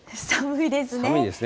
寒いですね。